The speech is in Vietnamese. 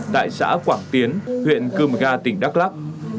tại xã quảng tiến huyện cưm ga tỉnh đắk lắk